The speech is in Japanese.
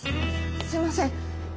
すいません。